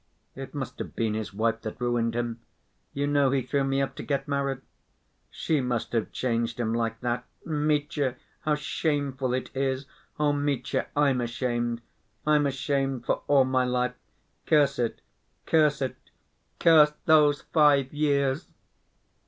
It must have been his wife that ruined him; you know he threw me up to get married. She must have changed him like that. Mitya, how shameful it is! Oh, Mitya, I'm ashamed, I'm ashamed for all my life. Curse it, curse it, curse those five years!"